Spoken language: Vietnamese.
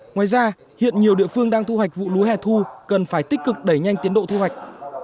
ngoài ra hiện nhiều địa phương đang thu hoạch vụ lúa hẻ thu cần phải tích cực đẩy nhanh tiến độ thu hoạch